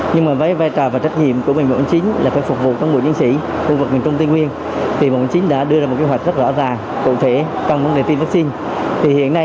nhưng mà với vai trò và trách nhiệm của bệnh viện bộ chính là phục vụ công an các đơn vị chiến sĩ